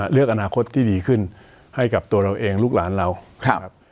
เลือกอนาคตที่ดีขึ้นให้กับตัวเราเองลูกหลานเรานะครับ